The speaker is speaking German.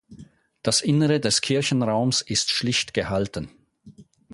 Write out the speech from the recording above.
Das Innere des Kirchenraums ist schlicht gehalten.